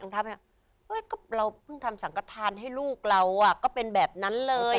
ทำอย่างนี้เฮ้ยก็เราเพิ่งทำสังกฐานให้ลูกเราก็เป็นแบบนั้นเลย